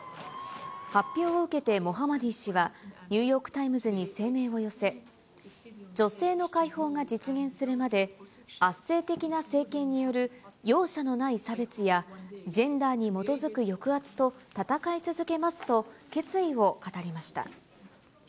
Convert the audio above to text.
発表を受けてモハマディ氏は、ニューヨーク・タイムズに声明を寄せ、女性の解放が実現するまで、圧政的な政権による容赦のない差別やジェンダーに基づく抑圧と闘い続けますと、決意を語りました。